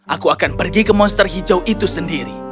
aku akan pergi ke monster hijau itu sendiri